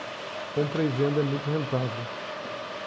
Compra e venda é muito rentável